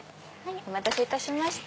お待たせいたしました。